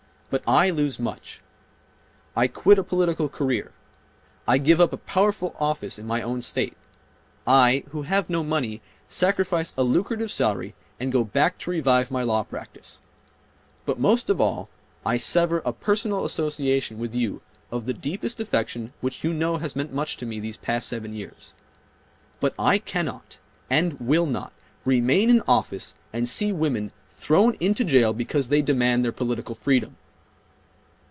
But I lose much. I quit a political career. I give up a powerful office in my own state. I, who have no money, sacrifice a lucrative salary, and go back to revive my law practice. But most of all I sever a personal association with you of the deepest affection which you know has meant much to me these past seven years. But I cannot and will not remain in office and see women thrown into jail because they demand their political freedom."